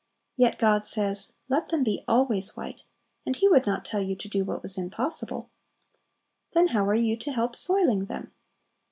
Yet God says, "Let them be always white;" and He would not tell you to do what was impossible. Then how are you to help soiling them?